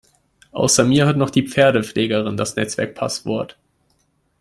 Außer mir hat noch die Pferdepflegerin das Netzwerk-Passwort.